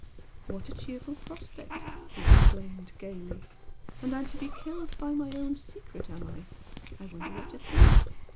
"What a cheerful prospect!" he exclaimed, gaily "And I'm to be killed by my own secret, am I? I wonder what it is!